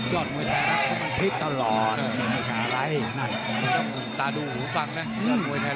อาจจะตั้งนี่ไงโดนเลยน้ำยอกน้ำบ่งแน่บอกแล้วไงพี่ปะ